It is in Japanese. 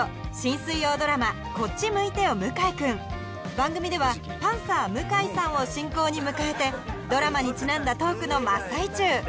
番組ではパンサー・向井さんを進行に迎えてドラマにちなんだトークの真っ最中